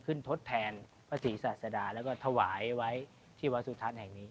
ทดแทนพระศรีศาสดาแล้วก็ถวายไว้ที่วัดสุทัศน์แห่งนี้